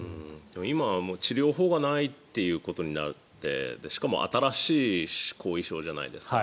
今、治療法がないということになってしかも新しい後遺症じゃないですか。